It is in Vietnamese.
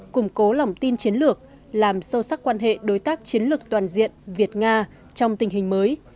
củng cố lòng tin chiến lược làm sâu sắc quan hệ đối tác chiến lược toàn diện việt nga trong tình hình mới